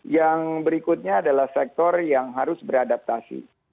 yang berikutnya adalah sektor yang harus beradaptasi